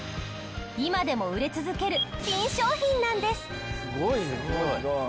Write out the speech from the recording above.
今でも売れ続けるピン商品なんです。